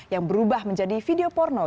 yang berubah menjadi video porno